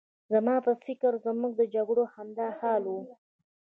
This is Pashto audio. زما په فکر زموږ د جګړو همدا حال و.